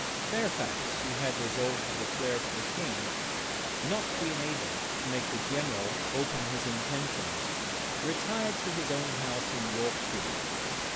Fairfax, who had resolved to declare for the king, not being able to make the general open his intentions, retired to his own house in Yorkshire.